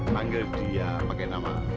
panggil dia pake nama